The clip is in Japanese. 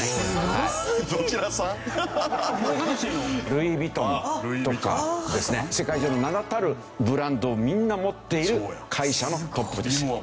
ルイ・ヴィトンとかですね世界中の名だたるブランドをみんな持っている会社のトップです。